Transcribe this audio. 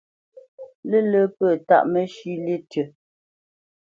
Lə̂lə̄ pə̂ tâʼ məshʉ̂ lí tʉ̂.